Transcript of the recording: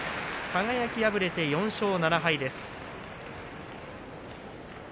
輝は敗れて４勝７敗です。